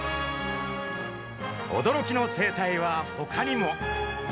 驚きの生態はほかにも。